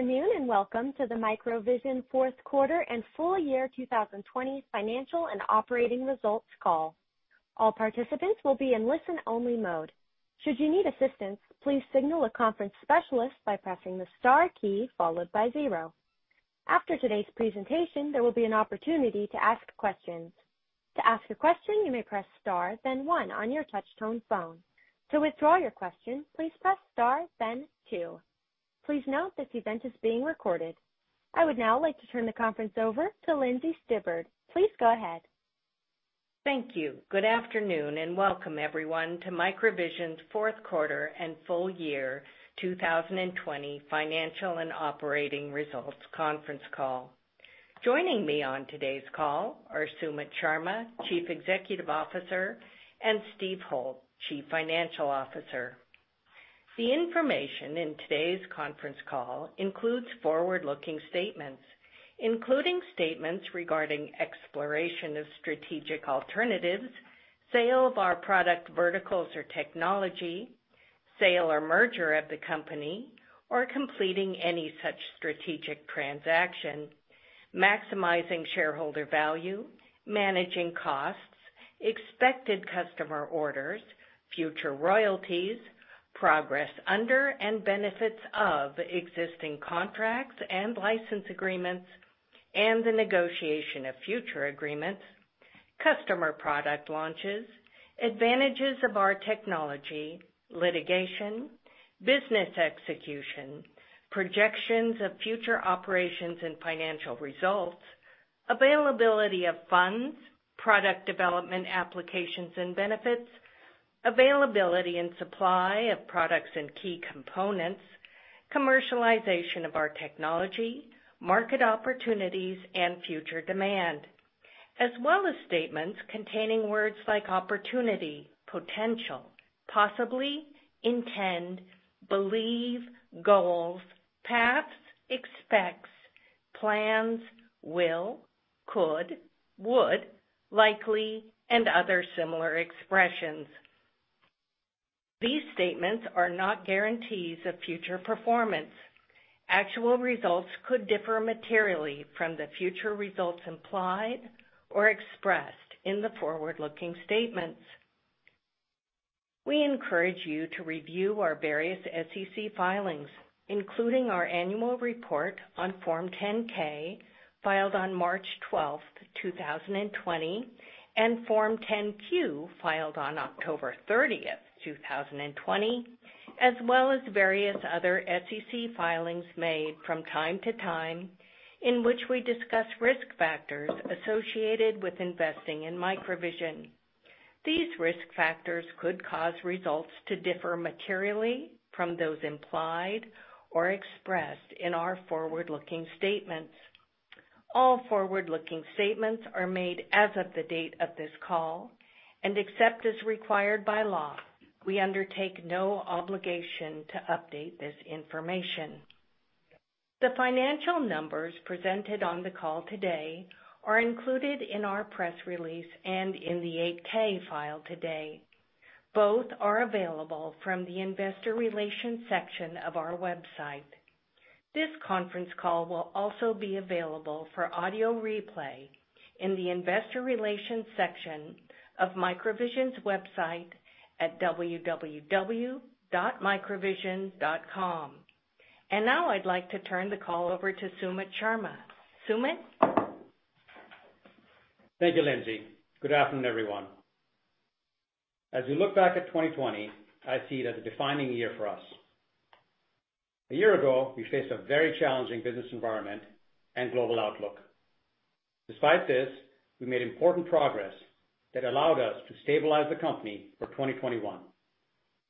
Welcome to the MicroVision fourth quarter and full year 2020 financial and operating results call. All participants will be in listen only mode. Should you need assistance please signal a conference specialist by pressing the star key followed by zero. After today's presentation, there will be an opportunity to ask questions. To ask a question you may press star then one on your touch-tone phone. To withdraw your question, please press star then two. Please note this event is being recorded. I would now like to turn the conference over to Lindsey Stibbard. Please go ahead. Thank you. Good afternoon and welcome everyone to MicroVision's fourth quarter and full year 2020 financial and operating results conference call. Joining me on today's call are Sumit Sharma, Chief Executive Officer, and Steve Holt, Chief Financial Officer. The information in today's conference call includes forward-looking statements, including statements regarding exploration of strategic alternatives, sale of our product verticals or technology, sale or merger of the company, or completing any such strategic transaction, maximizing shareholder value, managing costs, expected customer orders, future royalties, progress under and benefits of existing contracts and license agreements, and the negotiation of future agreements, customer product launches, advantages of our technology, litigation, business execution, projections of future operations and financial results, availability of funds, product development applications and benefits, availability and supply of products and key components, commercialization of our technology, market opportunities and future demand. As well as statements containing words like opportunity, potential, possibly, intend, believe, goals, paths, expects, plans, will, could, would, likely, and other similar expressions. These statements are not guarantees of future performance. Actual results could differ materially from the future results implied or expressed in the forward-looking statements. We encourage you to review our various SEC filings, including our Annual Report on Form 10-K filed on March 12th, 2020, and Form 10-Q filed on October 30th, 2020, as well as various other SEC filings made from time to time in which we discuss risk factors associated with investing in MicroVision. These risk factors could cause results to differ materially from those implied or expressed in our forward-looking statements. All forward-looking statements are made as of the date of this call, and except as required by law, we undertake no obligation to update this information. The financial numbers presented on the call today are included in our press release and in the 8-K filed today. Both are available from the Investor Relations section of our website. This conference call will also be available for audio replay in the Investor Relations section of MicroVision's website at www.microvision.com. Now I'd like to turn the call over to Sumit Sharma. Sumit? Thank you, Lindsey. Good afternoon, everyone. As we look back at 2020, I see it as a defining year for us. A year ago, we faced a very challenging business environment and global outlook. Despite this, we made important progress that allowed us to stabilize the company for 2021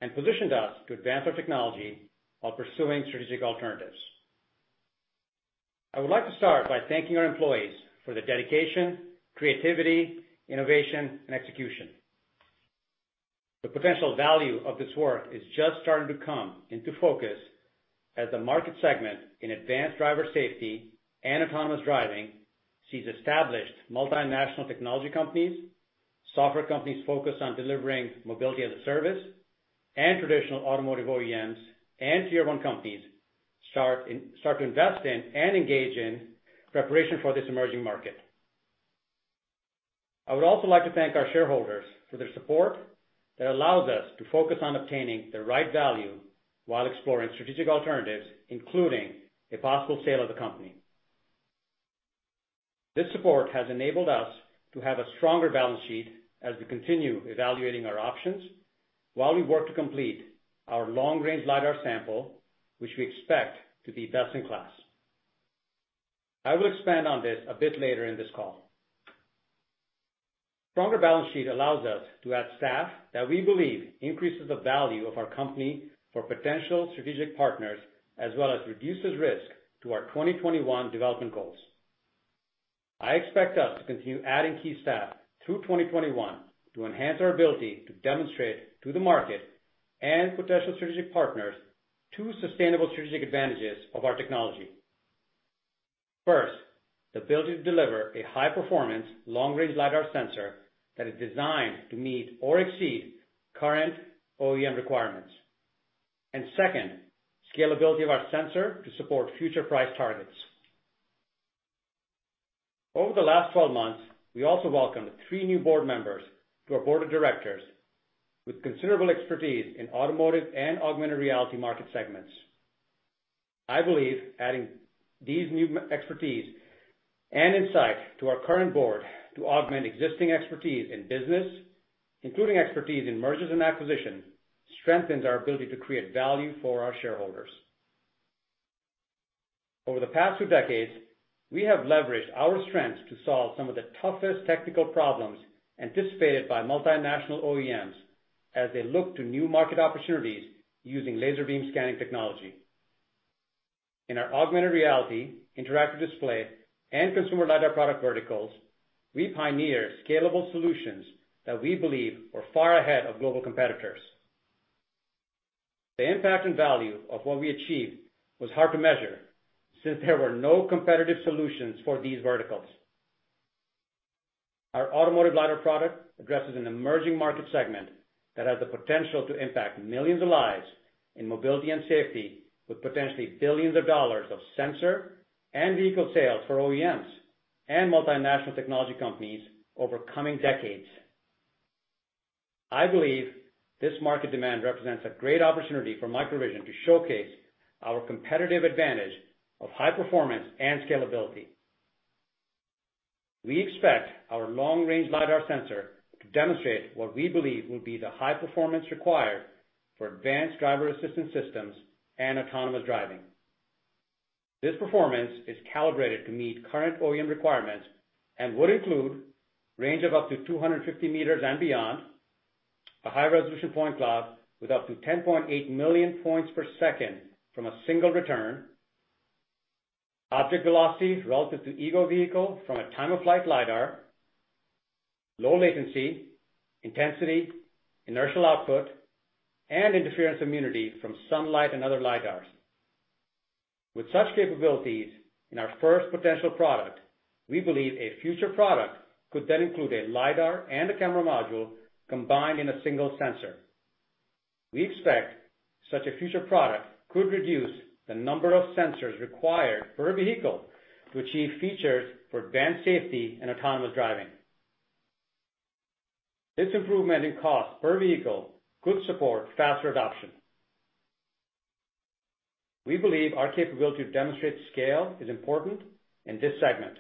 and positioned us to advance our technology while pursuing strategic alternatives. I would like to start by thanking our employees for their dedication, creativity, innovation, and execution. The potential value of this work is just starting to come into focus as the market segment in advanced driver safety and autonomous driving sees established multinational technology companies, software companies focused on delivering mobility as a service, and traditional automotive OEMs and Tier 1 companies start to invest in and engage in preparation for this emerging market. I would also like to thank our shareholders for their support that allows us to focus on obtaining the right value while exploring strategic alternatives, including a possible sale of the company. This support has enabled us to have a stronger balance sheet as we continue evaluating our options while we work to complete our long-range LiDAR sample, which we expect to be best in class. I will expand on this a bit later in this call. Stronger balance sheet allows us to add staff that we believe increases the value of our company for potential strategic partners as well as reduces risk to our 2021 development goals. I expect us to continue adding key staff through 2021 to enhance our ability to demonstrate to the market and potential strategic partners two sustainable strategic advantages of our technology. First, the ability to deliver a high performance, long-range LiDAR sensor that is designed to meet or exceed current OEM requirements. Second, scalability of our sensor to support future price targets. Over the last 12 months, we also welcomed three new board members to our board of directors with considerable expertise in automotive and augmented reality market segments. I believe adding these new expertise and insight to our current board to augment existing expertise in business, including expertise in mergers and acquisitions, strengthens our ability to create value for our shareholders. Over the past two decades, we have leveraged our strengths to solve some of the toughest technical problems anticipated by multinational OEMs as they look to new market opportunities using laser beam scanning technology. In our augmented reality, interactive display, and consumer LiDAR product verticals, we pioneered scalable solutions that we believe were far ahead of global competitors. The impact and value of what we achieved was hard to measure, since there were no competitive solutions for these verticals. Our automotive LiDAR product addresses an emerging market segment that has the potential to impact millions of lives in mobility and safety, with potentially billions of dollars of sensor and vehicle sales for OEMs and multinational technology companies over coming decades. I believe this market demand represents a great opportunity for MicroVision to showcase our competitive advantage of high performance and scalability. We expect our long-range LiDAR sensor to demonstrate what we believe will be the high performance required for advanced driver assistance systems and autonomous driving. This performance is calibrated to meet current OEM requirements and would include range of up to 250 m and beyond, a high-resolution point cloud with up to 10.8 million points per second from a single return, object velocities relative to ego vehicle from a time-of-flight LiDAR, low latency, intensity, inertial output, and interference immunity from sunlight and other LiDARs. With such capabilities in our first potential product, we believe a future product could then include a LiDAR and a camera module combined in a single sensor. We expect such a future product could reduce the number of sensors required per vehicle to achieve features for advanced safety and autonomous driving. This improvement in cost per vehicle could support faster adoption. We believe our capability to demonstrate scale is important in this segment.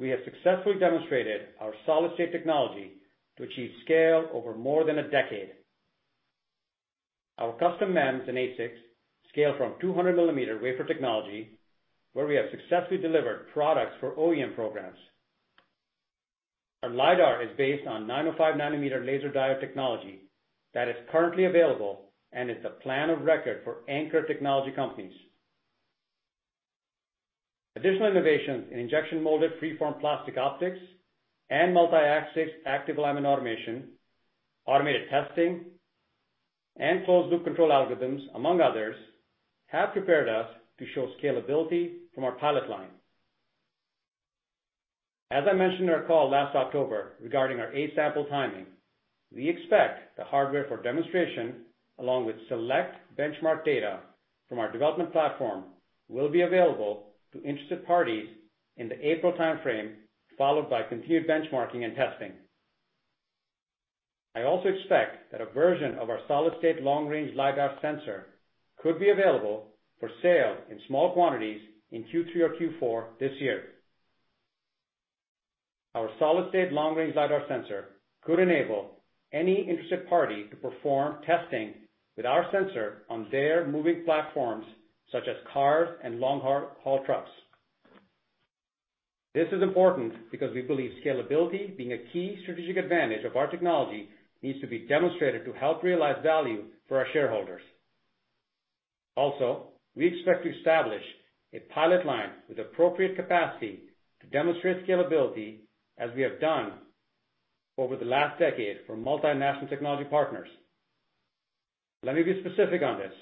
We have successfully demonstrated our solid-state technology to achieve scale over more than one decade. Our custom MEMS and ASICs scale from 200 mm wafer technology, where we have successfully delivered products for OEM programs. Our LiDAR is based on 905 nm laser diode technology that is currently available and is the plan of record for anchor technology companies. Additional innovations in injection molded freeform plastic optics and multi-axis active alignment automation, automated testing, and closed loop control algorithms, among others, have prepared us to show scalability from our pilot line. As I mentioned in our call last October regarding our A-Sample timing, we expect the hardware for demonstration, along with select benchmark data from our development platform, will be available to interested parties in the April timeframe, followed by continued benchmarking and testing. I also expect that a version of our solid-state long-range LiDAR sensor could be available for sale in small quantities in Q3 or Q4 this year. Our solid-state long-range LiDAR sensor could enable any interested party to perform testing with our sensor on their moving platforms, such as cars and long-haul trucks. This is important because we believe scalability, being a key strategic advantage of our technology, needs to be demonstrated to help realize value for our shareholders. Also, we expect to establish a pilot line with appropriate capacity to demonstrate scalability as we have done over the last decade for multinational technology partners. Let me be specific on this.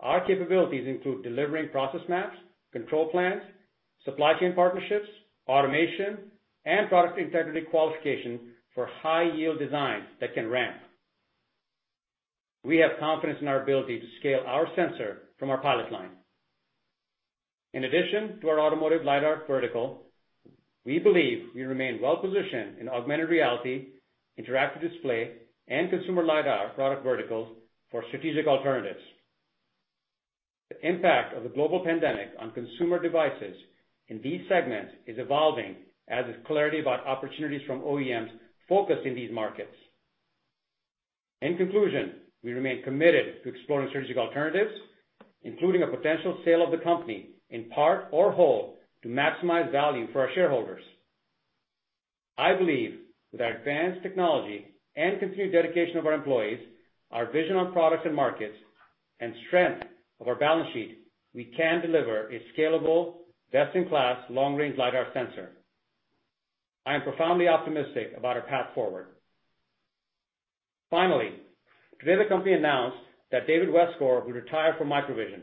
Our capabilities include delivering process maps, control plans, supply chain partnerships, automation, and product integrity qualification for high yield designs that can ramp. We have confidence in our ability to scale our sensor from our pilot line. In addition to our automotive LiDAR vertical, we believe we remain well positioned in augmented reality, interactive display, and consumer LiDAR product verticals for strategic alternatives. The impact of the global pandemic on consumer devices in these segments is evolving, as is clarity about opportunities from OEMs focused in these markets. In conclusion, we remain committed to exploring strategic alternatives, including a potential sale of the company in part or whole to maximize value for our shareholders. I believe with our advanced technology and continued dedication of our employees, our vision on products and markets, and strength of our balance sheet, we can deliver a scalable, best-in-class long-range LiDAR sensor. I am profoundly optimistic about our path forward. Finally, today the company announced that David Westgor will retire from MicroVision.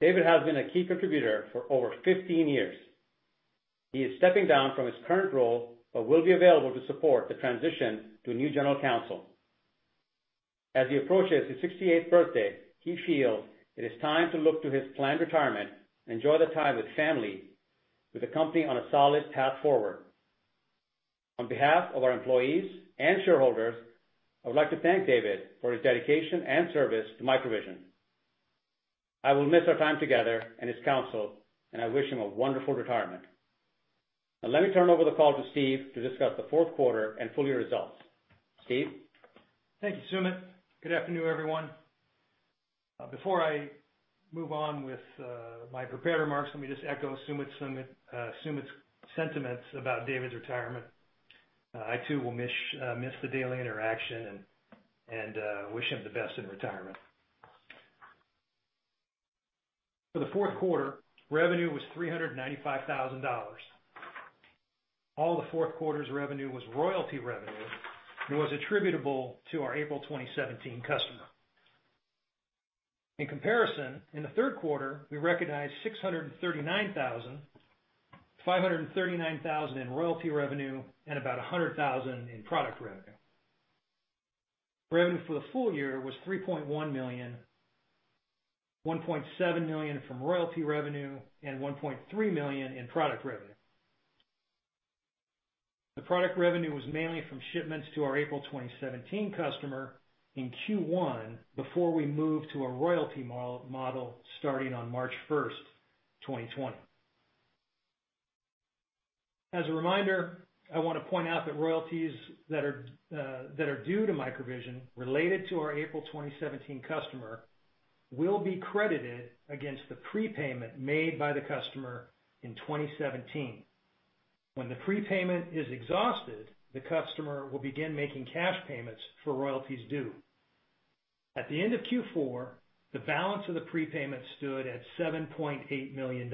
David has been a key contributor for over 15 years. He is stepping down from his current role but will be available to support the transition to a new general counsel. As he approaches his 68th birthday, he feels it is time to look to his planned retirement and enjoy the time with family with the company on a solid path forward. On behalf of our employees and shareholders, I would like to thank David for his dedication and service to MicroVision. I will miss our time together and his counsel, and I wish him a wonderful retirement. Let me turn over the call to Steve to discuss the fourth quarter and full year results. Steve? Thank you, Sumit. Good afternoon, everyone. Before I move on with my prepared remarks, let me just echo Sumit's sentiments about David's retirement. I too will miss the daily interaction and wish him the best in retirement. For the fourth quarter, revenue was $395,000. All the fourth quarter's revenue was royalty revenue and was attributable to our April 2017 customer. In comparison, in the third quarter, we recognized $639,000, $539,000 in royalty revenue and about $100,000 in product revenue. Revenue for the full year was $3.1 million, $1.7 million from royalty revenue and $1.3 million in product revenue. The product revenue was mainly from shipments to our April 2017 customer in Q1 before we moved to a royalty model starting on March 1st, 2020. As a reminder, I want to point out that royalties that are due to MicroVision related to our April 2017 customer will be credited against the prepayment made by the customer in 2017. When the prepayment is exhausted, the customer will begin making cash payments for royalties due. At the end of Q4, the balance of the prepayment stood at $7.8 million.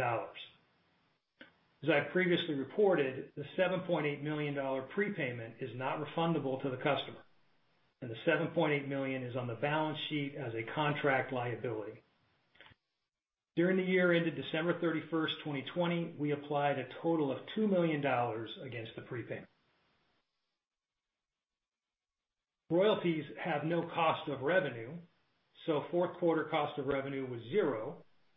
As I previously reported, the $7.8 million prepayment is not refundable to the customer, and the $7.8 million is on the balance sheet as a contract liability. During the year ended December 31st, 2020, we applied a total of $2 million against the prepayment. Royalties have no cost of revenue, so fourth quarter cost of revenue was $0,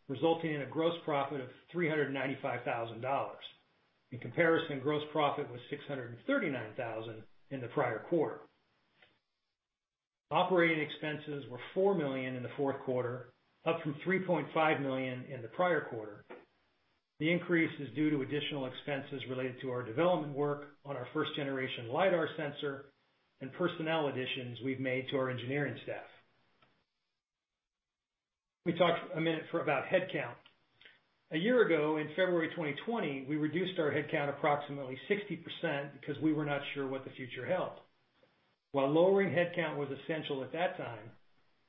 resulting in a gross profit of $395,000. In comparison, gross profit was $639,000 in the prior quarter. Operating expenses were $4 million in the fourth quarter, up from $3.5 million in the prior quarter. The increase is due to additional expenses related to our development work on our first-generation LiDAR sensor and personnel additions we've made to our engineering staff. Let me talk a minute about headcount. A year ago, in February 2020, we reduced our headcount approximately 60% because we were not sure what the future held. While lowering headcount was essential at that time,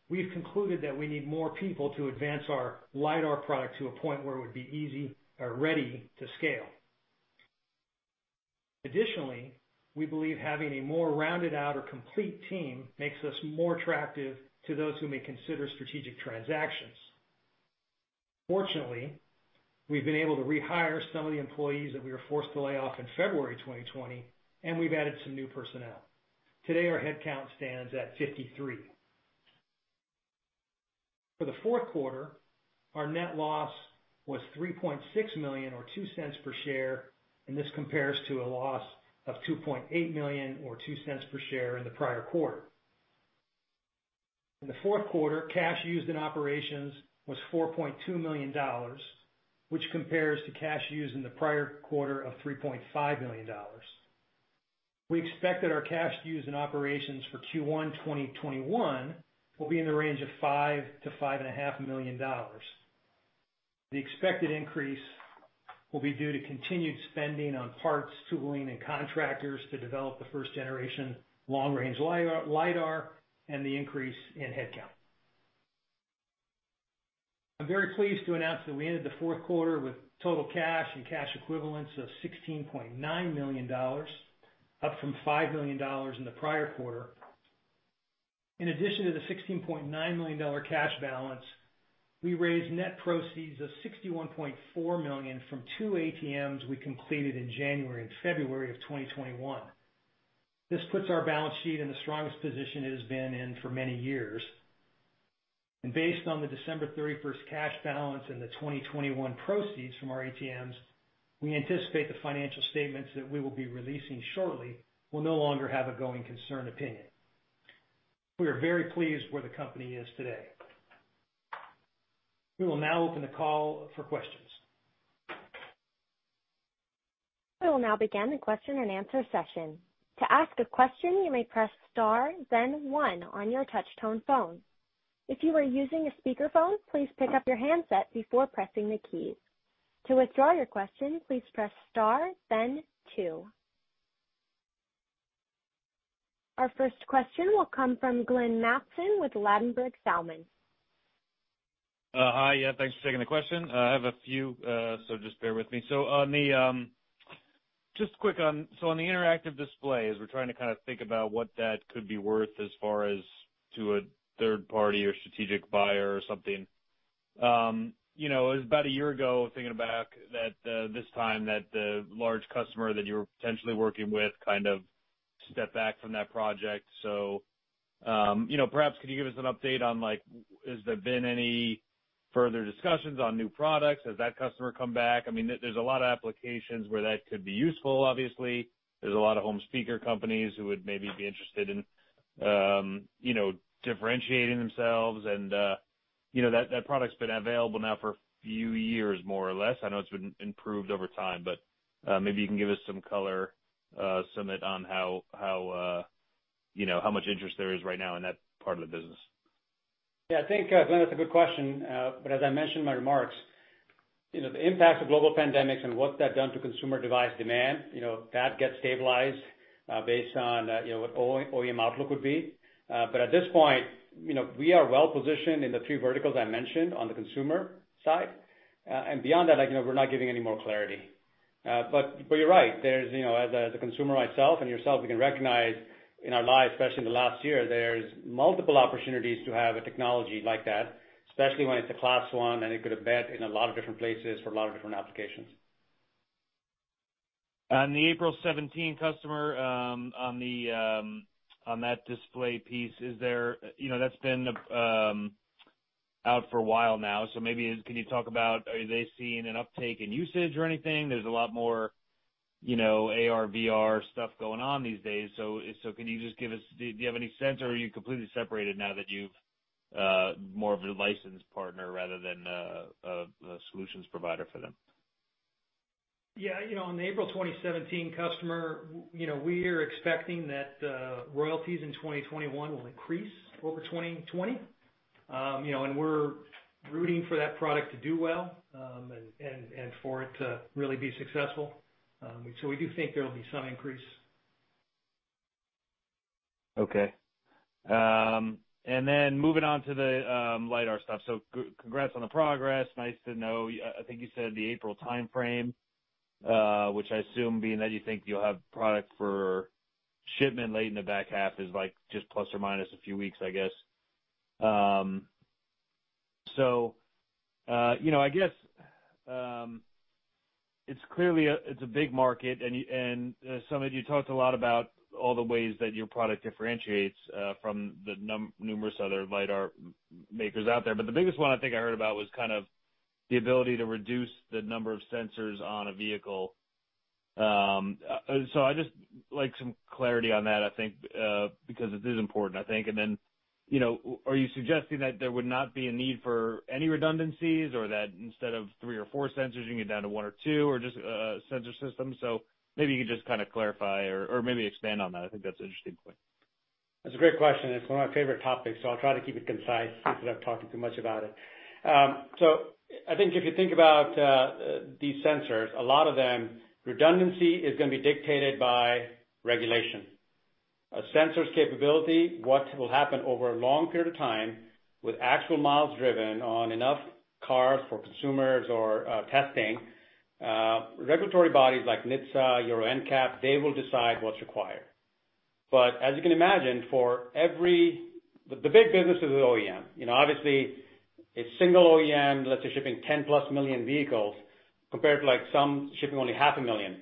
we've concluded that we need more people to advance our LiDAR product to a point where it would be easy or ready to scale. Additionally, we believe having a more rounded out or complete team makes us more attractive to those who may consider strategic transactions. Fortunately, we've been able to rehire some of the employees that we were forced to lay off in February 2020, and we've added some new personnel. Today, our headcount stands at 53. For the fourth quarter, our net loss was $3.6 million or $0.02 per share, and this compares to a loss of $2.8 million or $0.02 per share in the prior quarter. In the fourth quarter, cash used in operations was $4.2 million, which compares to cash used in the prior quarter of $3.5 million. We expect that our cash used in operations for Q1 2021 will be in the range of $5 million-$5.5 million. The expected increase will be due to continued spending on parts, tooling, and contractors to develop the first generation long-range LiDAR and the increase in headcount. I'm very pleased to announce that we ended the fourth quarter with total cash and cash equivalents of $16.9 million, up from $5 million in the prior quarter. In addition to the $16.9 million cash balance, we raised net proceeds of $61.4 million from two ATMs we completed in January and February of 2021. This puts our balance sheet in the strongest position it has been in for many years. Based on the December 31st cash balance and the 2021 proceeds from our ATMs, we anticipate the financial statements that we will be releasing shortly will no longer have a going concern opinion. We are very pleased where the company is today. We will now open the call for questions. We will now begin the question-and-answer session. To ask a question you may press star then one on your touch-tone phone. If you are using a speakerphone please pick up your handset before pressing the keys. To withdraw your question, please press star then two. Our first question will come from Glenn Mattson with Ladenburg Thalmann. Hi. Yeah, thanks for taking the question. I have a few, just bear with me. Just quick on the interactive displays, we're trying to think about what that could be worth as far as to a third-party or strategic buyer or something. It was about a year ago, thinking back, that this time that the large customer that you were potentially working with kind of stepped back from that project. Perhaps could you give us an update on, has there been any further discussions on new products? Has that customer come back? There's a lot of applications where that could be useful, obviously. There's a lot of home speaker companies who would maybe be interested in differentiating themselves. That product's been available now for a few years, more or less. I know it's been improved over time, but, maybe you can give us some color, Sumit, on how much interest there is right now in that part of the business. Yeah, I think, Glenn, that's a good question. As I mentioned in my remarks, the impact of global pandemics and what that's done to consumer device demand, that gets stabilized, based on what OEM outlook would be. At this point, we are well positioned in the three verticals I mentioned on the consumer side. Beyond that, we're not giving any more clarity. You're right. As a consumer myself and yourself, we can recognize in our lives, especially in the last year, there's multiple opportunities to have a technology like that, especially when it's a Class 1 and it could embed in a lot of different places for a lot of different applications. On the April 2017 customer, on that display piece, that's been out for a while now, so maybe can you talk about, are they seeing an uptake in usage or anything? There's a lot more AR/VR stuff going on these days. Can you just give us, do you have any sense, or are you completely separated now that you've more of a licensed partner rather than a solutions provider for them? Yeah. On the April 2017 customer, we are expecting that royalties in 2021 will increase over 2020. We're rooting for that product to do well, and for it to really be successful. We do think there'll be some increase. Okay. Moving on to the LiDAR stuff. Congrats on the progress. Nice to know. I think you said the April timeframe, which I assume being that you think you'll have product for shipment late in the back half is like just plus or minus a few weeks, I guess. I guess, it's clearly a big market and, Sumit, you talked a lot about all the ways that your product differentiates from the numerous other LiDAR makers out there. The biggest one I think I heard about was the ability to reduce the number of sensors on a vehicle. I'd just like some clarity on that, I think, because it is important. Are you suggesting that there would not be a need for any redundancies or that instead of three or four sensors, you can get down to one or two, or just a sensor system? Maybe you could just kind of clarify or maybe expand on that. I think that's an interesting point. That's a great question. It's one of my favorite topics, I'll try to keep it concise instead of talking too much about it. I think if you think about these sensors, a lot of them, redundancy is going to be dictated by regulation. A sensor's capability, what will happen over a long period of time with actual miles driven on enough cars for consumers or testing, regulatory bodies like NHTSA, Euro NCAP, they will decide what's required. As you can imagine, the big business is the OEM. Obviously, a single OEM, let's say, shipping 10+ million vehicles compared to some shipping only 500,000,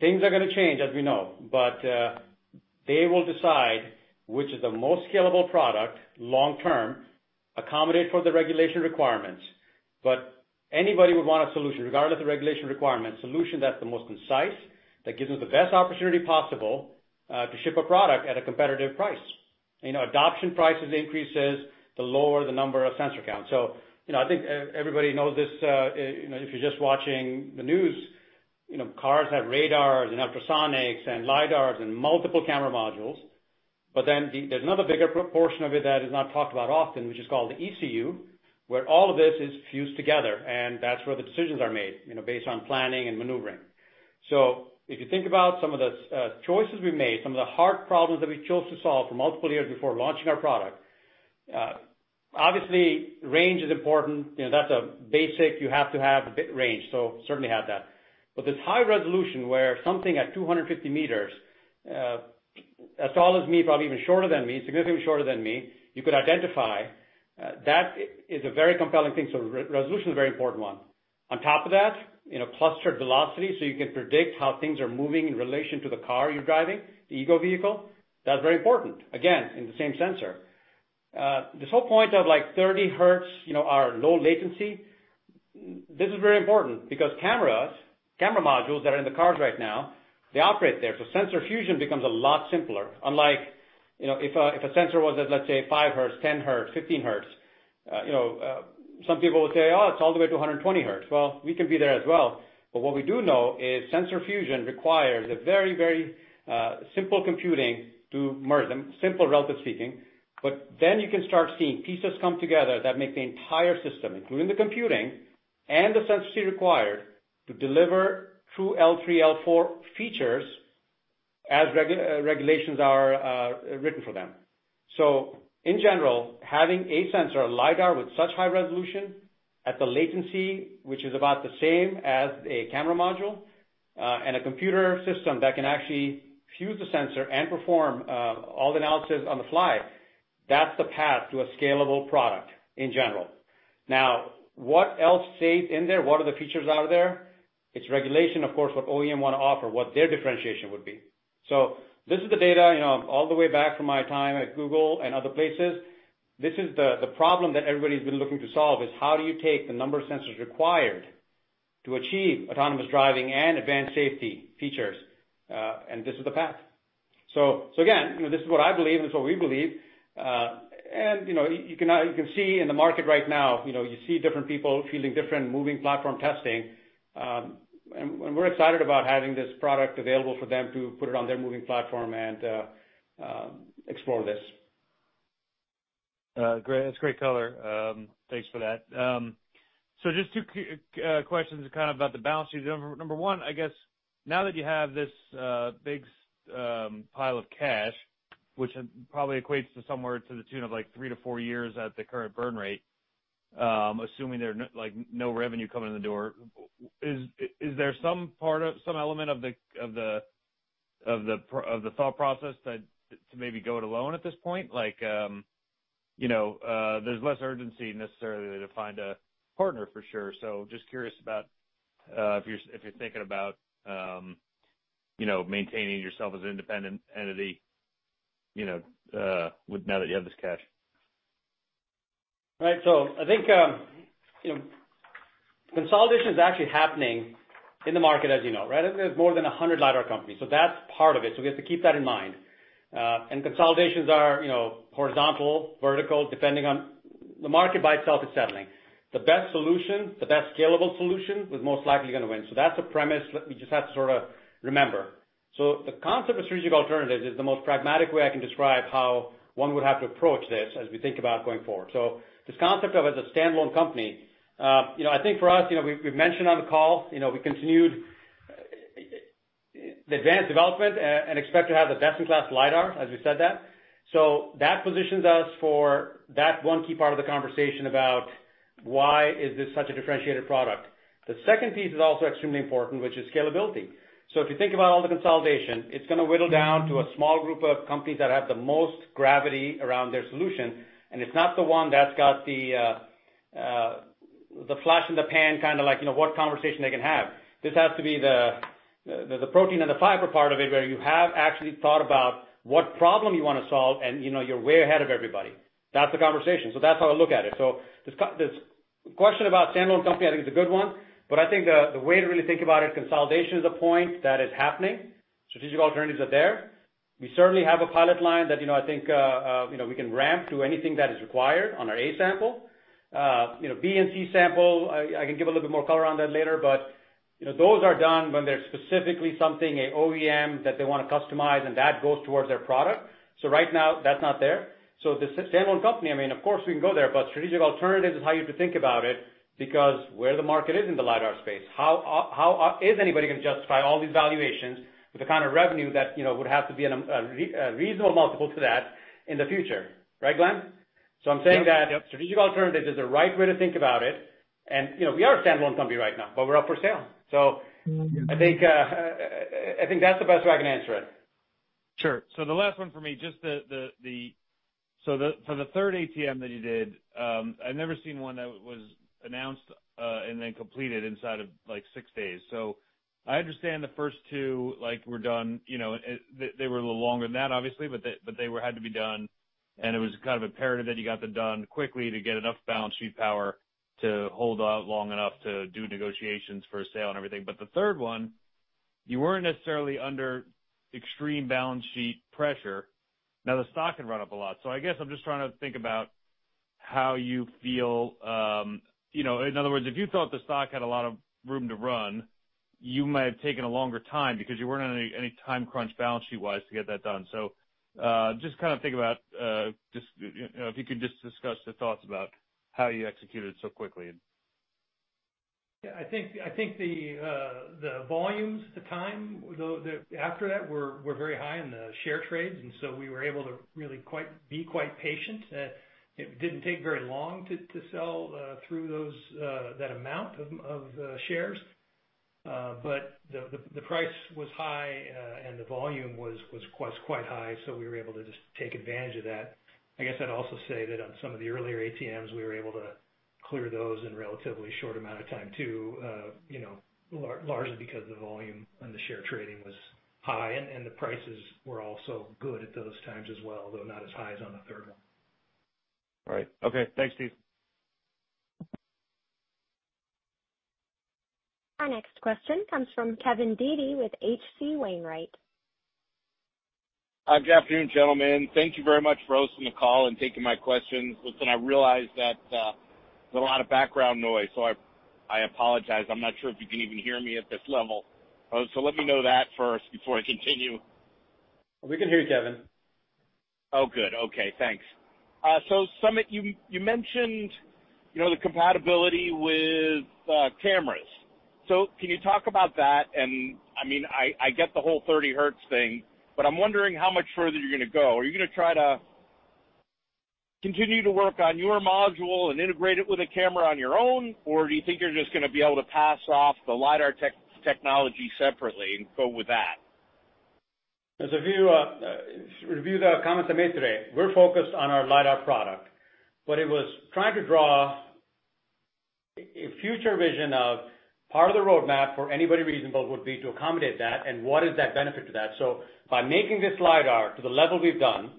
things are going to change, as we know. They will decide which is the most scalable product long term, accommodate for the regulation requirements. Anybody would want a solution, regardless of regulation requirements, solution that's the most concise, that gives them the best opportunity possible, to ship a product at a competitive price. Adoption prices increases, the lower the number of sensor count. I think everybody knows this, if you're just watching the news, cars have radars and ultrasonics and LiDARs and multiple camera modules. There's another bigger portion of it that is not talked about often, which is called the ECU, where all of this is fused together, and that's where the decisions are made, based on planning and maneuvering. If you think about some of the choices we made, some of the hard problems that we chose to solve for multiple years before launching our product, obviously range is important. That's a basic, you have to have a bit range. Certainly have that. This high resolution where something at 250 m, as tall as me, probably even shorter than me, significantly shorter than me, you could identify, that is a very compelling thing. Resolution is a very important one. On top of that, clustered velocity, so you can predict how things are moving in relation to the car you're driving, the ego vehicle. That's very important, again, in the same sensor. This whole point of like 30 Hz are low latency, this is very important because camera modules that are in the cars right now, they operate there. Sensor fusion becomes a lot simpler, unlike if a sensor was at, let's say, 5 Hz, 10 Hz, 15 Hz. Some people would say, "Oh, it's all the way to 120 Hz." We can be there as well. What we do know is sensor fusion requires a very simple computing, relatively speaking, to merge them. You can start seeing pieces come together that make the entire system, including the computing and the sensor suite required to deliver true L3, L4 features, as regulations are written for them. In general, having a sensor, a LiDAR with such high resolution at the latency, which is about the same as a camera module, and a computer system that can actually fuse the sensor and perform all the analysis on the fly, that's the path to a scalable product in general. What else stays in there? What are the features out of there? It's regulation, of course, what OEM want to offer, what their differentiation would be. This is the data, all the way back from my time at Google and other places. This is the problem that everybody's been looking to solve is how do you take the number of sensors required to achieve autonomous driving and advanced safety features? This is the path. Again, this is what I believe, this is what we believe. You can see in the market right now, you see different people fielding different moving platform testing. We're excited about having this product available for them to put it on their moving platform and explore this. That's great color. Thanks for that. Just two questions kind of about the balance sheet. Number one, I guess now that you have this big pile of cash, which probably equates to somewhere to the tune of three to four years at the current burn rate, assuming there are no revenue coming in the door, is there some element of the thought process to maybe go it alone at this point? There's less urgency necessarily to find a partner for sure. Just curious about if you're thinking about maintaining yourself as an independent entity, now that you have this cash. Right. I think consolidation is actually happening in the market as you know, right? There's more than 100 LiDAR companies. That's part of it. We have to keep that in mind. Consolidations are horizontal, vertical, depending on the market by itself is settling. The best solution, the best scalable solution is most likely going to win. That's a premise that we just have to sort of remember. The concept of strategic alternatives is the most pragmatic way I can describe how one would have to approach this as we think about going forward. This concept of as a standalone company, I think for us, we've mentioned on the call, we continued the advanced development and expect to have the best-in-class LiDAR, as we said that. That positions us for that one key part of the conversation about why is this such a differentiated product. The second piece is also extremely important, which is scalability. If you think about all the consolidation, it's going to whittle down to a small group of companies that have the most gravity around their solution, and it's not the one that's got the flash in the pan, kind of like what conversation they can have. This has to be the protein and the fiber part of it, where you have actually thought about what problem you want to solve, and you're way ahead of everybody. That's the conversation. That's how I look at it. This question about standalone company, I think it's a good one, but I think the way to really think about it, consolidation is a point that is happening. Strategic alternatives are there. We certainly have a pilot line that I think we can ramp to anything that is required on our A-Sample. B-Sample and C-Sample, I can give a little bit more color on that later, but those are done when there's specifically something, a OEM that they want to customize, and that goes towards their product. Right now, that's not there. The standalone company, of course, we can go there, but strategic alternatives is how you have to think about it, because where the market is in the LiDAR space. How is anybody going to justify all these valuations with the kind of revenue that would have to be a reasonable multiple to that in the future? Right, Glenn? Yep. I'm saying that strategic alternatives is the right way to think about it. We are a standalone company right now, but we're up for sale. I think that's the best way I can answer it. Sure. The last one for me, just for the third ATM that you did, I've never seen one that was announced and then completed inside of six days. I understand the first two were done, they were a little longer than that, obviously, but they had to be done, and it was kind of imperative that you got them done quickly to get enough balance sheet power to hold out long enough to do negotiations for a sale and everything. The third one, you weren't necessarily under extreme balance sheet pressure. The stock had run up a lot. I guess I'm just trying to think about how you feel. In other words, if you thought the stock had a lot of room to run, you might have taken a longer time because you weren't under any time crunch balance sheet-wise to get that done. Just kind of think about if you could just discuss the thoughts about how you executed so quickly. Yeah, I think the volumes, the time after that were very high in the share trades, and so we were able to really be quite patient. It didn't take very long to sell through that amount of shares. The price was high, and the volume was quite high, so we were able to just take advantage of that. I guess I'd also say that on some of the earlier ATMs, we were able to clear those in relatively short amount of time too, largely because the volume and the share trading was high, and the prices were also good at those times as well, although not as high as on the third one. Right. Okay. Thanks, Steve. Our next question comes from Kevin Dede with H.C. Wainwright. Good afternoon, gentlemen. Thank you very much for hosting the call and taking my questions. Listen, I realize that there's a lot of background noise. I apologize. I'm not sure if you can even hear me at this level. Let me know that first before I continue. We can hear you, Kevin. Oh, good. Okay, thanks. Sumit, you mentioned the compatibility with cameras. Can you talk about that? I get the whole 30 Hz thing, but I'm wondering how much further you're going to go. Are you going to try to continue to work on your module and integrate it with a camera on your own, or do you think you're just going to be able to pass off the LiDAR technology separately and go with that? As a review the comments I made today, we're focused on our LiDAR product, but it was trying to draw a future vision of part of the roadmap for anybody reasonable would be to accommodate that, and what is that benefit to that? By making this LiDAR to the level we've done,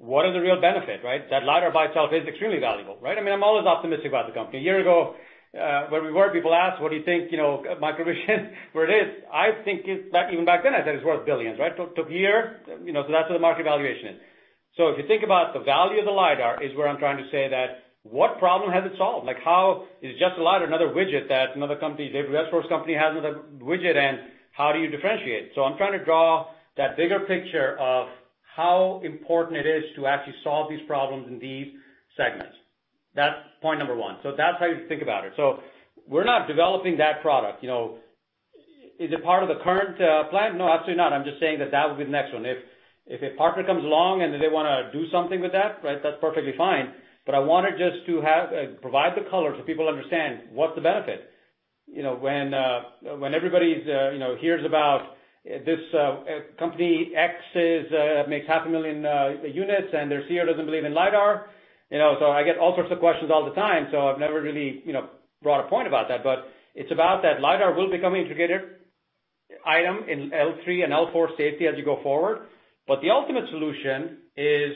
what is the real benefit? That LiDAR by itself is extremely valuable. I'm always optimistic about the company. A year ago, where we were, people ask, "What do you think MicroVision, where it is?" I think even back then I said it's worth billions. Took a year, so that's where the market valuation is. If you think about the value of the LiDAR is where I'm trying to say that what problem has it solved? Like how is it just a LiDAR, another widget that another company, every resource company has another widget, and how do you differentiate? I'm trying to draw that bigger picture of how important it is to actually solve these problems in these segments. That's point number one. That's how you think about it. We're not developing that product. Is it part of the current plan? No, absolutely not. I'm just saying that that will be the next one. If a partner comes along and they want to do something with that's perfectly fine. I wanted just to provide the color so people understand what the benefit is. When everybody hears about this company X makes 500,000 units and their CEO doesn't believe in LiDAR. I get all sorts of questions all the time, so I've never really brought a point about that. It's about that LiDAR will become integrated item in L3 and L4 safety as you go forward. The ultimate solution is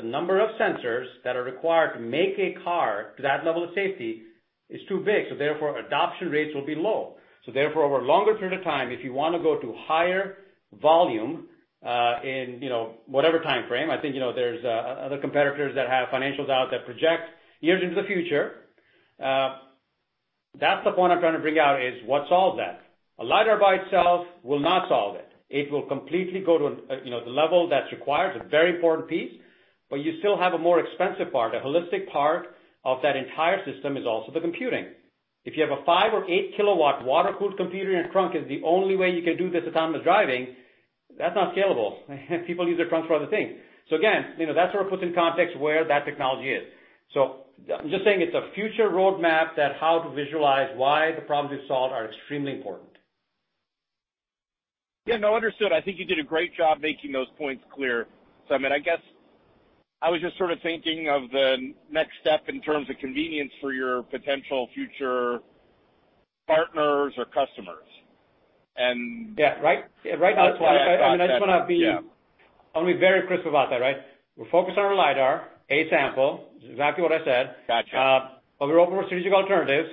the number of sensors that are required to make a car to that level of safety is too big, therefore adoption rates will be low. Therefore, over a longer period of time, if you want to go to higher volume, in whatever timeframe, I think there's other competitors that have financials out that project years into the future. That's the point I'm trying to bring out is what solves that. A LiDAR by itself will not solve it. It will completely go to the level that's required, it's a very important piece, but you still have a more expensive part. A holistic part of that entire system is also the computing. If you have a 5 kW or 8 kW water-cooled computer in a trunk is the only way you can do this autonomous driving, that's not scalable. People use their trunks for other things. Again, that sort of puts in context where that technology is. I'm just saying it's a future roadmap that how to visualize why the problems we've solved are extremely important. No, understood. I think you did a great job making those points clear. Sumit, I guess I was just sort of thinking of the next step in terms of convenience for your potential future partners or customers. Yeah, right. That's why I thought— And I just want to be— Yeah. I want to be very crisp about that. We're focused on our LiDAR, A-Sample, exactly what I said. Got you. We're open for strategic alternatives.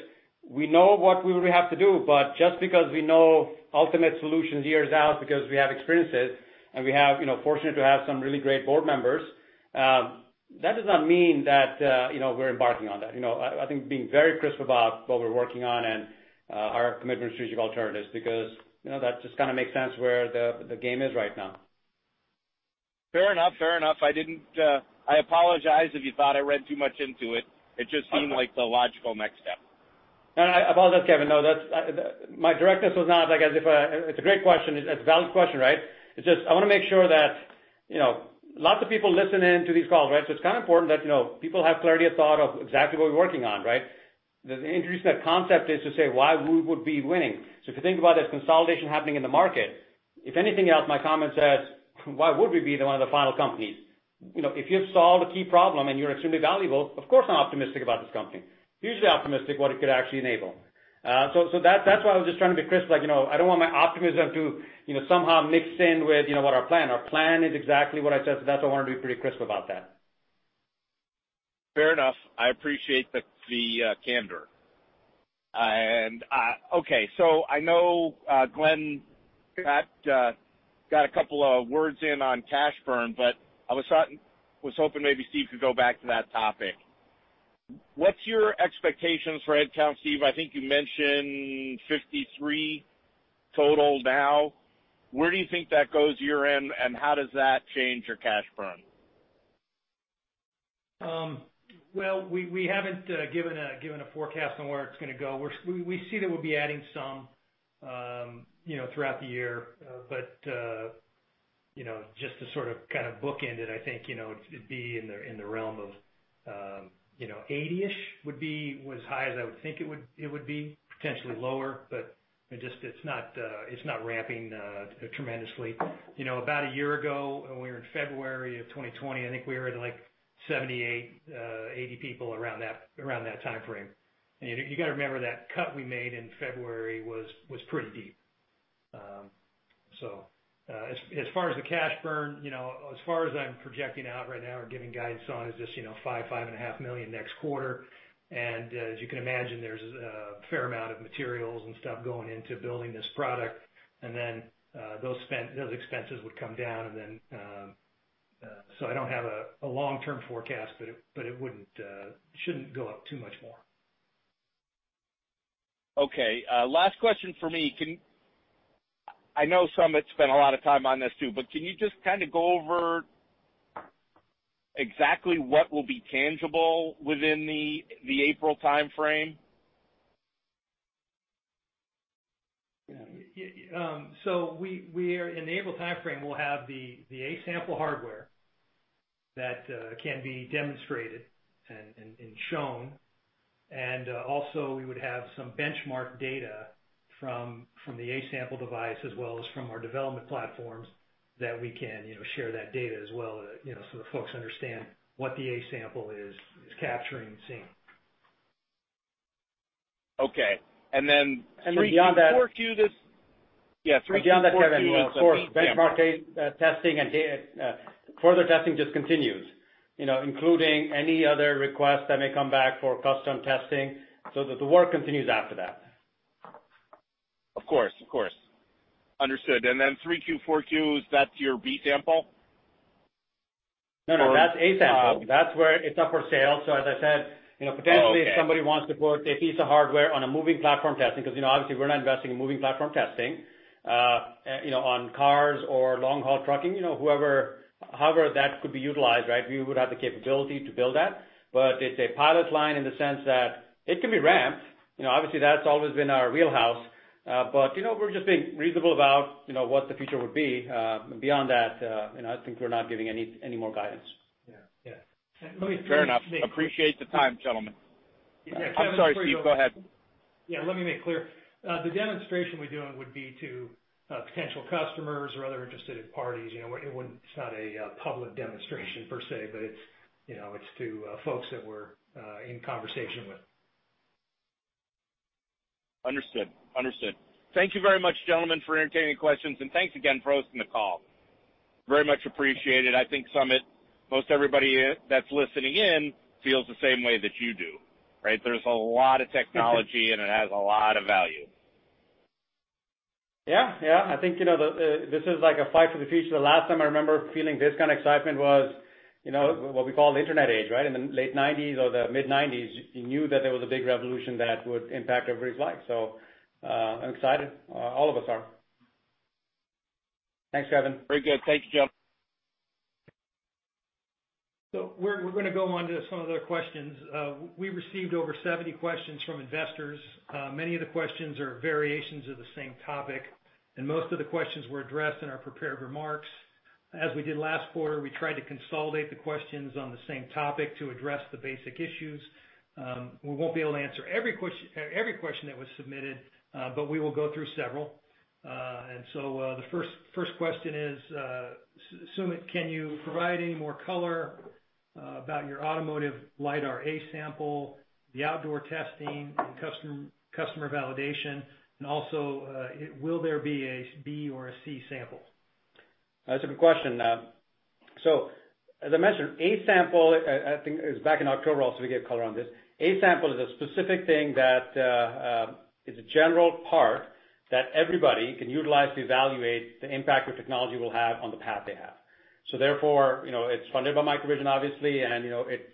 We know what we have to do, but just because we know ultimate solutions years out because we have experiences and we have fortunate to have some really great board members, that does not mean that we're embarking on that. I think being very crisp about what we're working on and our commitment to strategic alternatives because that just kind of makes sense where the game is right now. Fair enough. Fair enough. I apologize if you thought I read too much into it. It just seemed like the logical next step. No, I apologize, Kevin. No. My directness was not like, it's a great question. It's a valid question. It's just, I want to make sure that lots of people listen in to these calls, so it's kind of important that people have clarity of thought of exactly what we're working on. The interest, that concept is to say why we would be winning. If you think about this consolidation happening in the market, if anything else, my comment says, why would we be the one of the final companies? If you've solved a key problem and you're extremely valuable, of course, I'm optimistic about this company, hugely optimistic what it could actually enable. That's why I was just trying to be crisp, I don't want my optimism to somehow mix in with what our plan. Our plan is exactly what I said, so that's why I wanted to be pretty crisp about that. Fair enough. I appreciate the candor. Okay. I know Glenn got a couple of words in on cash burn, but I was hoping maybe Steve could go back to that topic. What's your expectations for headcount, Steve? I think you mentioned 53 total now. Where do you think that goes year-end, and how does that change your cash burn? We haven't given a forecast on where it's going to go. We see that we'll be adding some throughout the year. Just to sort of bookend it, I think it'd be in the realm of 80-ish was high as I would think it would be. Potentially lower, but it's not ramping tremendously. About a year ago, we were in February of 2020, I think we were at 78, 80 people around that timeframe. You got to remember that cut we made in February was pretty deep. As far as the cash burn, as far as I'm projecting out right now or giving guidance on is just $5 million, $5.5 million next quarter. As you can imagine, there's a fair amount of materials and stuff going into building this product, and then those expenses would come down. I don't have a long-term forecast, but it shouldn't go up too much more. Okay. Last question from me. I know Sumit spent a lot of time on this too, but can you just go over exactly what will be tangible within the April timeframe? Yeah. In the April timeframe, we'll have the A-Sample hardware that can be demonstrated and shown. Also we would have some benchmark data from the A-Sample device as well as from our development platforms that we can share that data as well, the folks understand what the A-Sample is capturing and seeing. Okay. And then, 3Q, 4Q, this— Yeah, 3Q, 4Q— Beyond that, Kevin, of course, benchmark testing and further testing just continues, including any other requests that may come back for custom testing, so the work continues after that. Of course. Of course. Understood. And then, 3Q, 4Q, is that your B-Sample? No. That's A-Sample. That's where it's up for sale. As I said, potentially if somebody wants to put a piece of hardware on a moving platform testing, because obviously we're not investing in moving platform testing on cars or long-haul trucking. However that could be utilized, right? We would have the capability to build that. It's a pilot line in the sense that it can be ramped. Obviously, that's always been our wheelhouse. We're just being reasonable about what the future would be. Beyond that, I think we're not giving any more guidance. Fair enough. Appreciate the time, gentlemen. I'm sorry, Steve, go ahead. Let me make it clear. The demonstration we're doing would be to potential customers or other interested parties. It's not a public demonstration per se, but it's to folks that we're in conversation with. Understood. Understood. Thank you very much, gentlemen, for entertaining questions, and thanks again for hosting the call. Very much appreciated. I think, Sumit, most everybody that's listening in feels the same way that you do, right? There's a lot of technology and it has a lot of value. Yeah. I think this is like a fight for the future. The last time I remember feeling this kind of excitement was what we call the internet age. In the late 1990s or the mid-1990s, you knew that there was a big revolution that would impact everybody's life. I'm excited. All of us are. Thanks, Kevin. Very good. Thank you, gentlemen. We're going to go on to some other questions. We received over 70 questions from investors. Many of the questions are variations of the same topic, and most of the questions were addressed in our prepared remarks. As we did last quarter, we tried to consolidate the questions on the same topic to address the basic issues. We won't be able to answer every question that was submitted, but we will go through several. The first question is, Sumit, can you provide any more color about your automotive LiDAR A-Sample, the outdoor testing and customer validation, and also, will there be a B-Sample or a C-Sample? That's a good question. As I mentioned, A-Sample, I think it was back in October, also, we gave color on this. A-Sample is a specific thing that is a general part that everybody can utilize to evaluate the impact the technology will have on the path they have. Therefore, it's funded by MicroVision, obviously, and it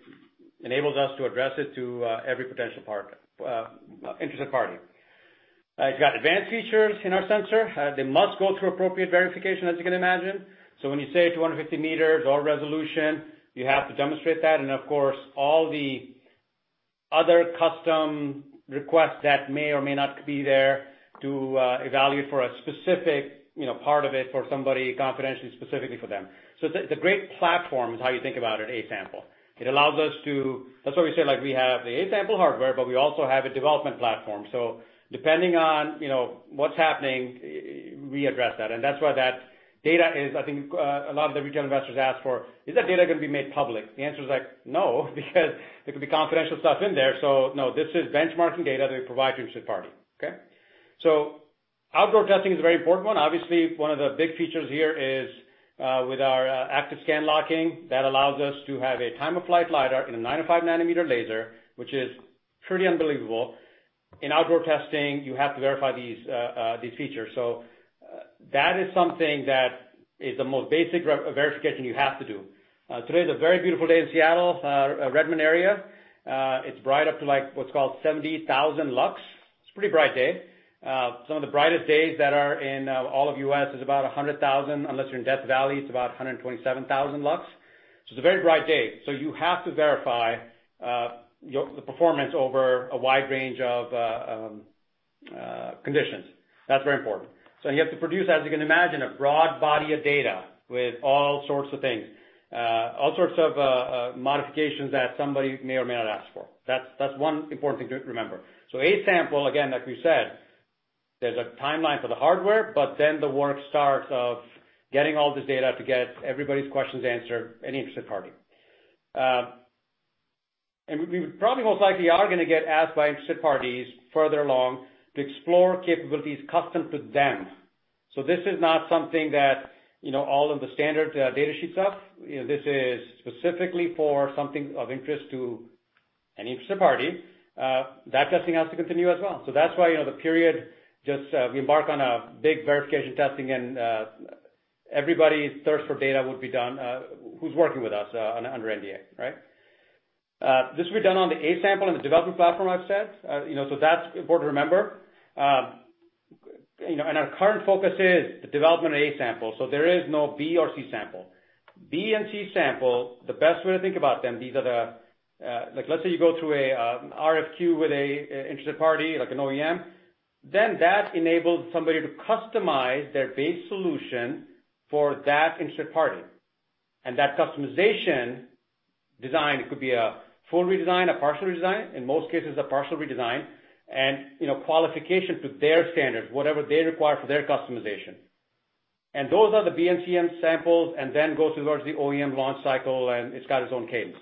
enables us to address it to every potential interested party. It's got advanced features in our sensor. They must go through appropriate verification, as you can imagine. When you say 250 m or resolution, you have to demonstrate that, and of course, all the other custom requests that may or may not be there to evaluate for a specific part of it for somebody confidentially, specifically for them. It's a great platform, is how you think about an A-Sample. That's why we say we have the A-Sample hardware, but we also have a development platform. Depending on what's happening, we address that. That's why that data is, I think a lot of the retail investors ask for, is that data going to be made public? The answer is no, because there could be confidential stuff in there. No, this is benchmarking data that we provide to an interested party. Okay? Outdoor testing is a very important one. Obviously, one of the big features here is with our active scan locking, that allows us to have a time-of-flight LiDAR and a 905 nm laser, which is pretty unbelievable. In outdoor testing, you have to verify these features. That is something that is the most basic verification you have to do. Today is a very beautiful day in Seattle, Redmond area. It's bright up to what's called 70,000 lux. It's a pretty bright day. Some of the brightest days that are in all of U.S. is about 100,000, unless you're in Death Valley, it's about 127,000 lux. It's a very bright day. You have to verify the performance over a wide range of conditions. That's very important. You have to produce, as you can imagine, a broad body of data with all sorts of things, all sorts of modifications that somebody may or may not ask for. That's one important thing to remember. A-Sample, again, like we said, there's a timeline for the hardware, the work starts of getting all this data to get everybody's questions answered, any interested party. We probably most likely are going to get asked by interested parties further along to explore capabilities custom to them. This is not something that all of the standard data sheets have. This is specifically for something of interest to an interested party. That testing has to continue as well. That's why we embark on a big verification testing and everybody's thirst for data would be done, who's working with us under NDA. This will be done on the A-Sample and the development platform, I've said. That's important to remember. Our current focus is the development of A-Sample, so there is no B or C-Sample. B and C-Sample, the best way to think about them, these are the Let's say you go through an RFQ with an interested party, like an OEM, then that enables somebody to customize their base solution for that interested party. That customization design, it could be a full redesign, a partial redesign, in most cases a partial redesign, and qualification to their standards, whatever they require for their customization. Those are the B and C-Samples, and then goes towards the OEM launch cycle, and it's got its own cadence.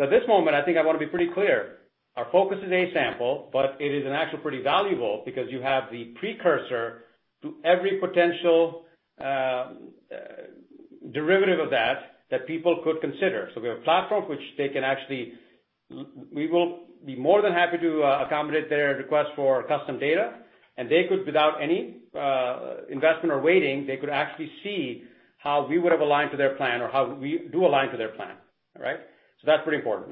At this moment, I think I want to be pretty clear. Our focus is A-Sample, but it is actually pretty valuable because you have the precursor to every potential derivative of that people could consider. We have a platform which they can actually. We will be more than happy to accommodate their request for custom data, and they could, without any investment or waiting, they could actually see how we would have aligned to their plan or how we do align to their plan. All right. That's pretty important.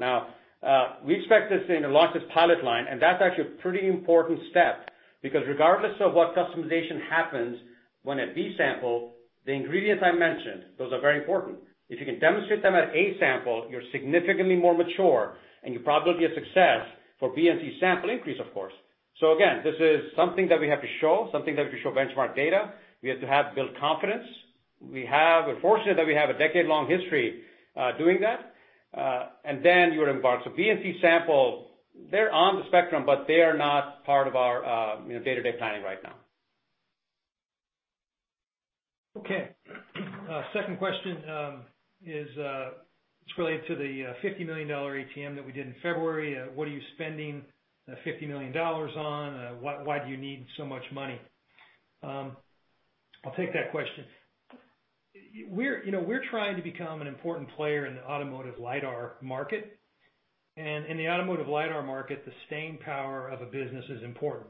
We expect this thing to launch this pilot line, and that's actually a pretty important step because regardless of what customization happens when at B-Sample, the ingredients I mentioned, those are very important. If you can demonstrate them at A-Sample, you're significantly more mature and your probability of success for B and C-Sample increase, of course. Again, this is something that we have to show, something that we can show benchmark data. We have to build confidence. We're fortunate that we have a decade-long history doing that. You would embark. B and C-Sample, they're on the spectrum, but they are not part of our day-to-day planning right now. Okay. Second question is related to the $50 million ATM that we did in February. What are you spending the $50 million on? Why do you need so much money? I'll take that question. We're trying to become an important player in the automotive LiDAR market. In the automotive LiDAR market, the staying power of a business is important.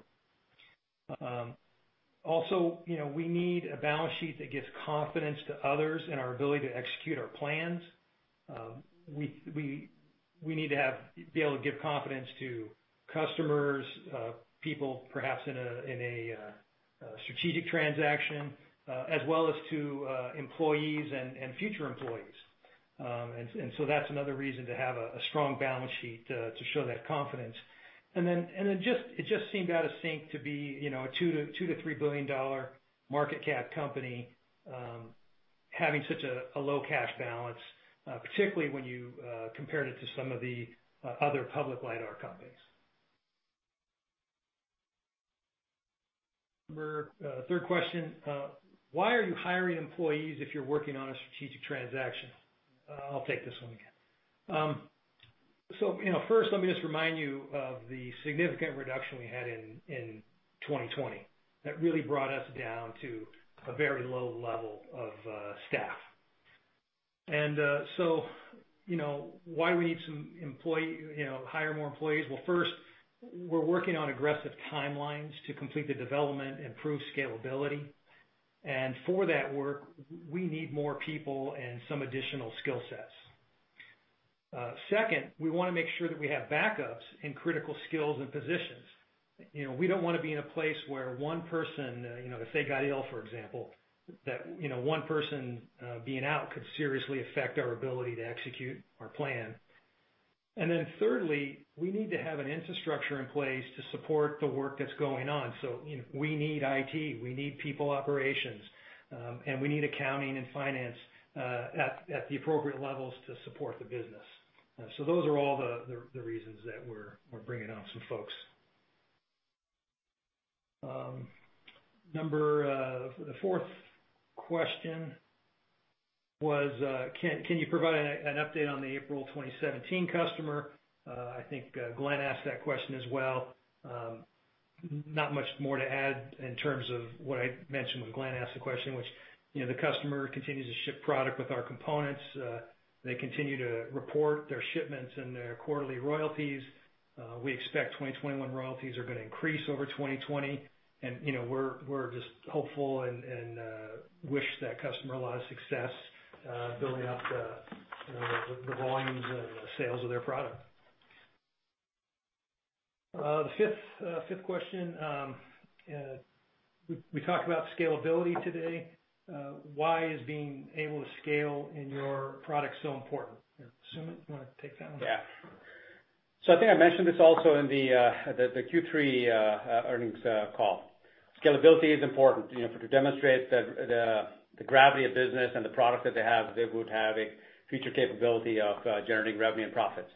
Also, we need a balance sheet that gives confidence to others in our ability to execute our plans. We need to be able to give confidence to customers, people perhaps in a strategic transaction, as well as to employees and future employees. That's another reason to have a strong balance sheet to show that confidence. It just seemed out of sync to be a $2 billion-$3 billion market cap company having such a low cash balance, particularly when you compared it to some of the other public LiDAR companies. Third question, why are you hiring employees if you're working on a strategic transaction? I'll take this one again. First let me just remind you of the significant reduction we had in 2020. That really brought us down to a very low level of staff. Why we need to hire more employees? First, we're working on aggressive timelines to complete the development and prove scalability. For that work, we need more people and some additional skill sets. Second, we want to make sure that we have backups in critical skills and positions. We don't want to be in a place where one person, if they got ill, for example, that one person being out could seriously affect our ability to execute our plan. Thirdly, we need to have an infrastructure in place to support the work that's going on. We need IT, we need people operations, and we need accounting and finance at the appropriate levels to support the business. Those are all the reasons that we're bringing on some folks. The fourth question was, can you provide an update on the April 2017 customer? I think Glenn asked that question as well. Not much more to add in terms of what I mentioned when Glenn asked the question, which the customer continues to ship product with our components. They continue to report their shipments and their quarterly royalties. We expect 2021 royalties are going to increase over 2020. We're just hopeful and wish that customer a lot of success building up the volumes and the sales of their product. The fifth question. We talked about scalability today. Why is being able to scale in your product so important? Sumit, you want to take that one? Yeah. I think I mentioned this also in the Q3 earnings call. Scalability is important. For it to demonstrate the gravity of business and the product that they have, they would have a future capability of generating revenue and profits.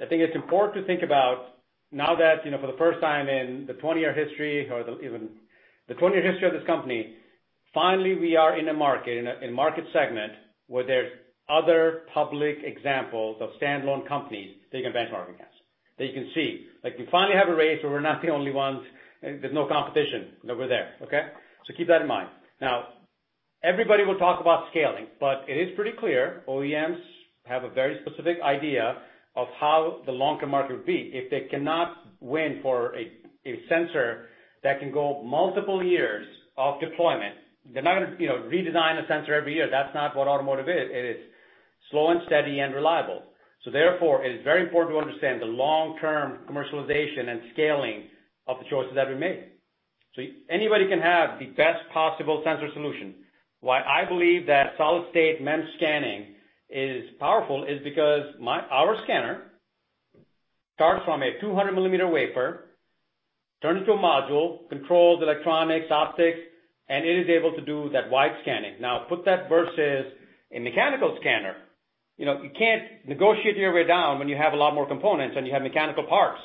I think it's important to think about now that for the first time in the 20-year history, or even the 20-year history of this company, finally, we are in a market, in a market segment, where there's other public examples of standalone companies they can benchmark against. That you can see. Like we finally have a race where we're not the only ones, and there's no competition, that we're there. Okay? Keep that in mind. Everybody will talk about scaling, but it is pretty clear OEMs have a very specific idea of how the long-term market would be if they cannot win for a sensor that can go multiple years of deployment. They're not going to redesign a sensor every year. That's not what automotive is. It is slow and steady and reliable. Therefore, it is very important to understand the long-term commercialization and scaling of the choices that we make. Anybody can have the best possible sensor solution. While I believe that solid-state MEMS scanning is powerful is because our scanner starts from a 200 mm wafer, turns into a module, controls electronics, optics, and it is able to do that wide scanning. Put that versus a mechanical scanner. You can't negotiate your way down when you have a lot more components and you have mechanical parts.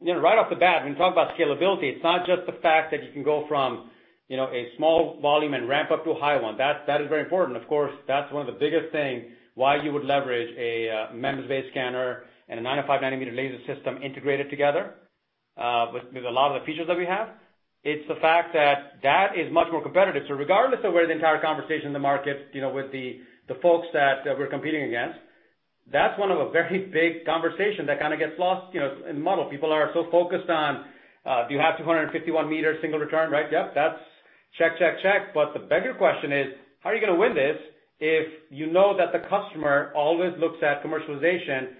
Right off the bat, when you talk about scalability, it's not just the fact that you can go from a small volume and ramp up to a high one. That is very important, of course. That's one of the biggest thing why you would leverage a MEMS-based scanner and a 905 nm laser system integrated together with a lot of the features that we have. It's the fact that that is much more competitive. Regardless of where the entire conversation in the market with the folks that we're competing against, that's one of a very big conversation that kind of gets lost in the model. People are so focused on, do you have 251 m single return, right? Yep, that's check, check. The bigger question is, how are you going to win this if you know that the customer always looks at commercialization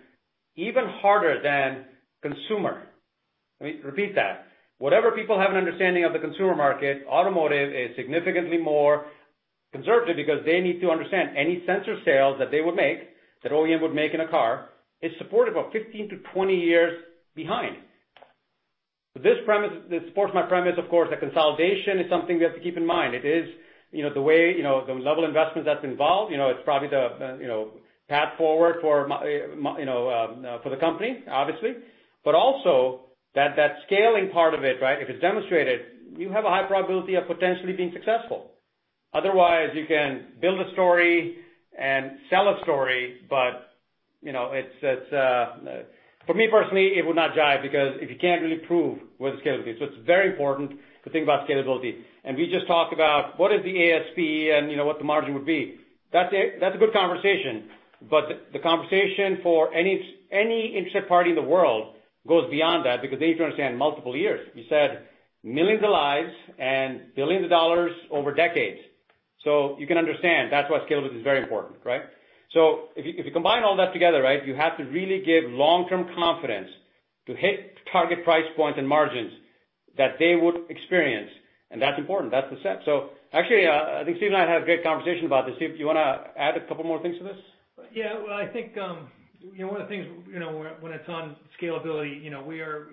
even harder than consumer? Let me repeat that. Whatever people have an understanding of the consumer market, automotive is significantly more conservative because they need to understand any sensor sales that they would make, that OEM would make in a car, is supported about 15 to 20 years behind. This supports my premise, of course, that consolidation is something we have to keep in mind. It is the level of investment that's involved. It's probably the path forward for the company, obviously, but also that scaling part of it, right? If it's demonstrated, you have a high probability of potentially being successful. Otherwise, you can build a story and sell a story. For me personally, it would not jive because if you can't really prove what is the scalability. It's very important to think about scalability. We just talked about: What is the ASP? And what the margin would be? That's a good conversation, but the conversation for any interested party in the world goes beyond that because they need to understand multiple years. We said millions of lives and billions of dollars over decades. You can understand that's why scalability is very important, right? If you combine all that together, right, you have to really give long-term confidence to hit target price points and margins that they would experience, and that's important. That's the set. Actually, I think Steve and I had a great conversation about this. Steve, do you want to add a couple more things to this? Yeah, well, I think, one of the things, when it's on scalability, we are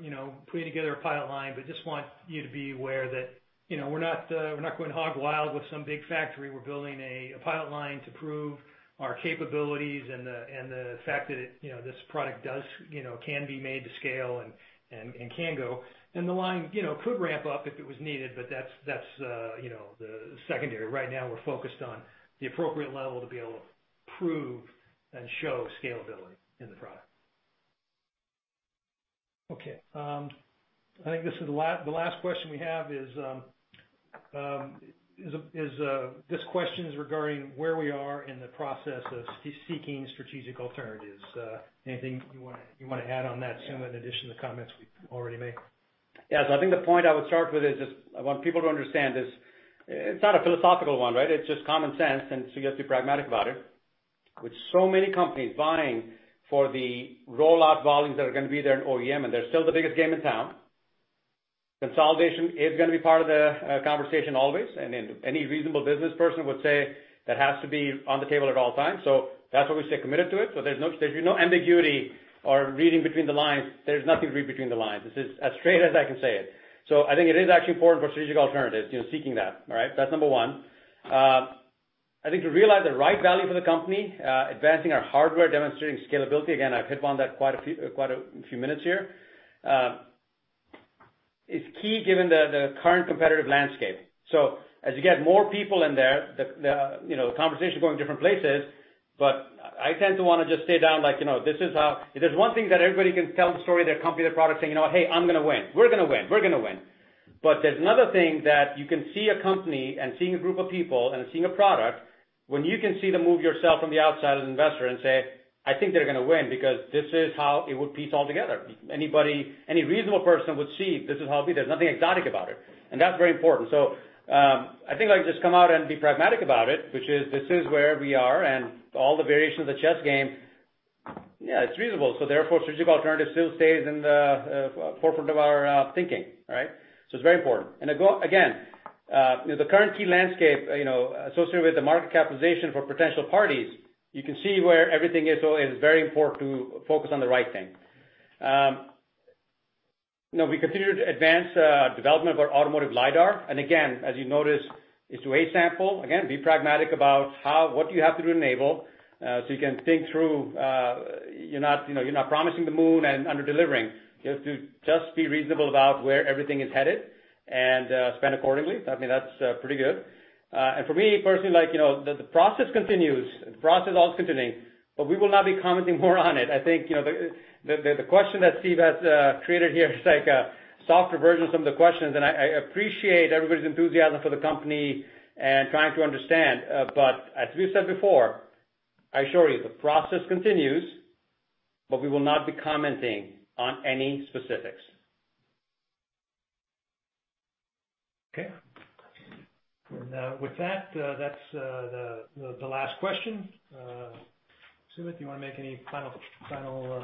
putting together a pilot line, but just want you to be aware that we're not going hog wild with some big factory. We're building a pilot line to prove our capabilities and the fact that this product can be made to scale and can go. The line could ramp up if it was needed, but that's secondary. Right now, we're focused on the appropriate level to be able to prove and show scalability in the product. Okay. I think this is the last question we have. This question is regarding where we are in the process of seeking strategic alternatives. Anything you want to add on that, Sumit, in addition to the comments we already made? I think the point I would start with is just I want people to understand is it's not a philosophical one, right. It's just common sense, you have to be pragmatic about it. With so many companies vying for the rollout volumes that are going to be there in OEM, they're still the biggest game in town. Consolidation is going to be part of the conversation always, any reasonable business person would say that has to be on the table at all times. That's why we stay committed to it. There's no ambiguity or reading between the lines. There's nothing to read between the lines. This is as straight as I can say it. I think it is actually important for strategic alternatives, seeking that, all right. That's number one. I think to realize the right value for the company, advancing our hardware, demonstrating scalability, again, I've hit upon that quite a few minutes here. It's key given the current competitive landscape. As you get more people in there, the conversation is going different places, but I tend to want to just stay down. If there's one thing that everybody can tell the story of their company, their product, saying, "Hey, I'm going to win. We're going to win. We're going to win." There's another thing that you can see a company and seeing a group of people and seeing a product, when you can see the move yourself from the outside as an investor and say, "I think they're going to win because this is how it would piece all together." Any reasonable person would see this is how it be. There's nothing exotic about it, and that's very important. I think I can just come out and be pragmatic about it, which is this is where we are and all the variations of the chess game. Yeah, it's reasonable. Therefore, strategic alternative still stays in the forefront of our thinking, right? It's very important. Again, the current key landscape associated with the market capitalization for potential parties, you can see where everything is, so it's very important to focus on the right thing. We continue to advance development of our automotive LiDAR, again, as you notice, is to A-Sample. Again, be pragmatic about what you have to do to enable, so you can think through, you're not promising the moon and under-delivering. You have to just be reasonable about where everything is headed and spend accordingly. I mean, that's pretty good. For me personally, the process continues. The process is always continuing, but we will not be commenting more on it. I think the question that Steve has created here is like a softer version of some of the questions, and I appreciate everybody's enthusiasm for the company and trying to understand. As we said before, I assure you, the process continues, but we will not be commenting on any specifics. Okay. With that's the last question. Sumit, do you want to make any final comment?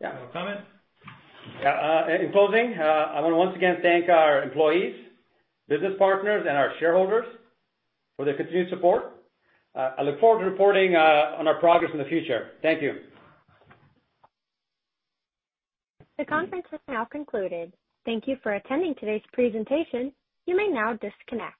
Yeah. In closing, I want to once again thank our employees, business partners, and our shareholders for their continued support. I look forward to reporting on our progress in the future. Thank you. The conference has now concluded. Thank you for attending today's presentation. You may now disconnect.